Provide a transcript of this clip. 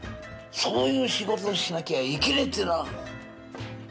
そういう仕事をしなきゃいけねえってな。